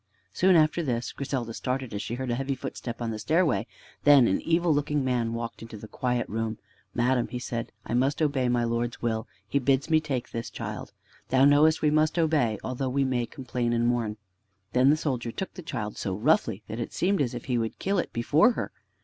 Soon after this, Griselda started as she heard a heavy footstep on the stairway. Then an evil looking man walked into the quiet room. "Madam," he said, "I must obey my lord's will. He bids me take this child. Thou knowest we must obey, although we may complain and mourn." Then the soldier took the child so roughly that it seemed as if he would kill it before her.